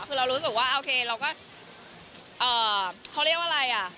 คือเรารู้สึกว่าโอเคเราก็เขาเรียกว่าอะไรอ่ะ